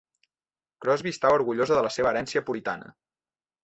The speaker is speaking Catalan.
Crosby estava orgullosa de la seva herència puritana.